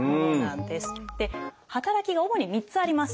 働きが主に３つあります。